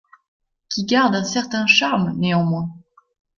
Qui garde un certain charme néanmoins.